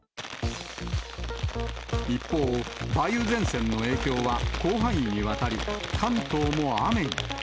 一方、梅雨前線の影響は広範囲にわたり、関東も雨に。